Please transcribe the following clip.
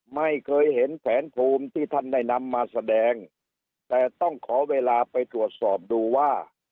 ไม่เคยเห็นแผนภูมิที่ท่านได้นำมาแสดงแต่ต้องขอเวลาไปตรวจสอบดูว่า